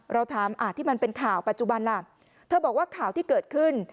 เราถามที่มันเป็นข่าวปัจจุบันล่ะเธอบอกว่าข่าวที่เกิดขึ้น